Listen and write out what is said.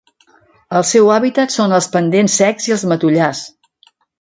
El seu hàbitat són els pendents secs i els matollars.